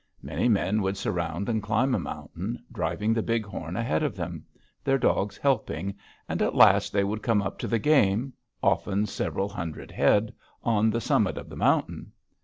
Many men would surround and climb a mountain, driving the bighorn ahead of them, their dogs helping, and at last they would come up to the game, often several hundred head, on the summit of the mountain.